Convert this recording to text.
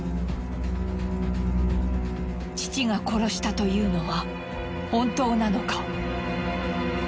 父が殺したというのは本当なのか？